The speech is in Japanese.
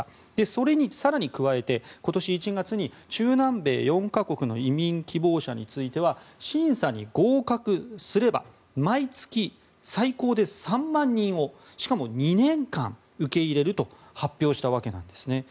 それに更に加えて今年１月に中南米４か国の移民希望者については審査に合格すれば毎月、最高で３万人をしかも２年間、受け入れると発表したわけなんですね。